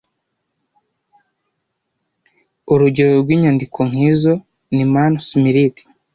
Urugero rw’inyandiko nk’izo ni Manu Smriti